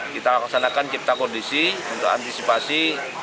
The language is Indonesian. kita laksanakan cipta kondisi untuk antisipasi